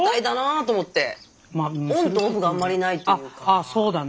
あっそうだね